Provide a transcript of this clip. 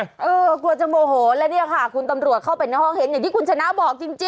กลัวจะโมโหแล้วเนี่ยค่ะคุณตำรวจเข้าไปในห้องเห็นอย่างที่คุณชนะบอกจริง